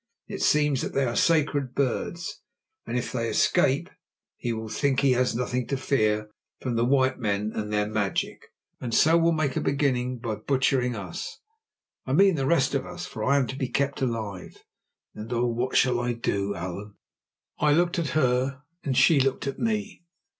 It seems that they are sacred birds, and if they escape he will think he has nothing to fear from the white men and their magic, and so will make a beginning by butchering us. I mean the rest of us, for I am to be kept alive, and oh! what shall I do, Allan?" I looked at her, and she looked at me.